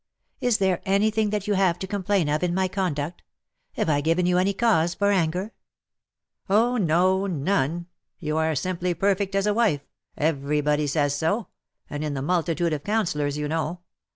Is there anything that you have to complain of in my conduct — have I given you any cause for anger T' " Oh, no, none. You are simply perfect as a wife — everybody says so — and in the multitude of counsellors, you know.